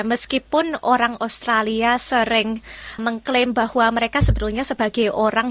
meskipun orang australia sering mengklaim bahwa mereka sebetulnya sebagai orang